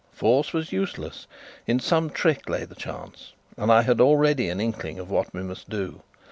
Force was useless: in some trick lay the chance; and I had already an inkling of what we must do.